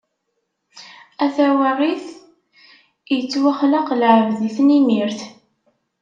A tawaɣit, ittwaxleq lɛebd i tnimirt.